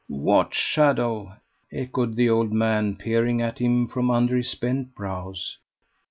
"What shadow!" echoed the old man, peering at him from under his bent brows.